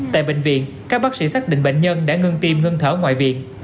tại bệnh viện các bác sĩ xác định bệnh nhân đã ngưng tim ngưng thở ngoại viện